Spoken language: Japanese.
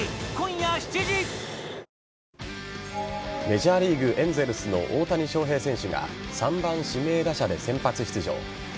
メジャーリーグエンゼルスの大谷翔平選手が３番・指名打者で先発出場。